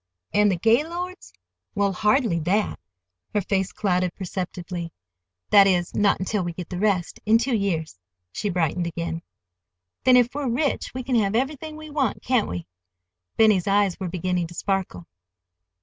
"An' the Gaylords?" "Well—hardly that"—her face clouded perceptibly—"that is, not until we get the rest—in two years." She brightened again. "Then, if we're rich we can have everything we want, can't we?" Benny's eyes were beginning to sparkle.